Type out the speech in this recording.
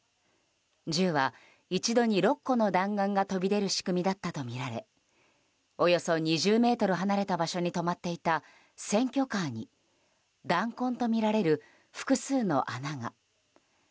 銃は一度に６個の弾丸が飛び出る仕組みだったとみられおよそ２０ｍ離れた場所に止まっていた選挙カーに弾痕とみられる複数の穴が。